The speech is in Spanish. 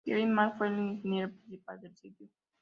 Kevin Marks fue el Ingeniero Principal del sitio.